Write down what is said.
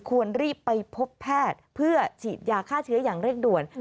ควรรีบไปพบแพทย์เพื่อฉีดยาฆ่าเชื้ออย่างเร่งด่วน